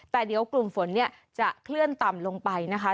แต่เดี๋ยวกลุ่มฝนเนี่ยจะเคลื่อนต่ำลงไปนะคะ